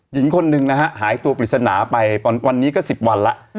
หญิงคนหนึ่งนะฮะหายตัวปริศนาไปวันนี้ก็๑๐วันแล้ว